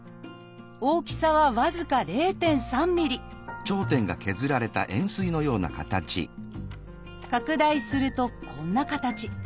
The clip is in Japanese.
大きさは僅か０．３ｍｍ拡大するとこんな形。